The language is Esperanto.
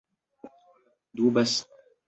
dubas